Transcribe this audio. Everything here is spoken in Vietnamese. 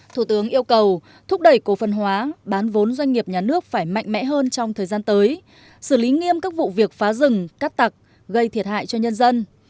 thủ tướng yêu cầu thúc đẩy cổ phần hóa bán vốn doanh nghiệp nhà nước phải mạnh mẽ hơn trong thời gian tới xử lý nghiêm các vụ việc phá rừng cắt tặc gây thiệt hại cho nhân dân